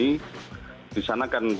jadi apa yang terjadi